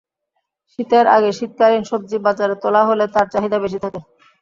শীতের আগে শীতকালীন সবজি বাজারে তোলা হলে তার চাহিদা বেশি থাকে।